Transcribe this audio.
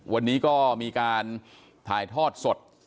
วันนี้ก็มีการถ่ายทอดสด